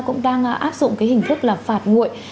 cũng đang áp dụng cái hình thức là phạt nguội